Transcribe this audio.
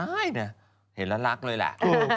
ได้เนี่ยเห็นแล้วรักเลยล่ะ